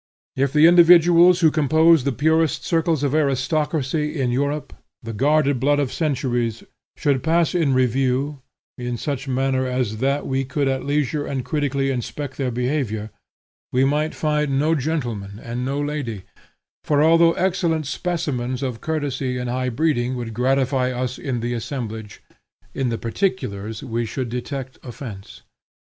If the individuals who compose the purest circles of aristocracy in Europe, the guarded blood of centuries, should pass in review, in such manner as that we could at leisure and critically inspect their behavior, we might find no gentleman and no lady; for although excellent specimens of courtesy and high breeding would gratify us in the assemblage, in the particulars we should detect offence.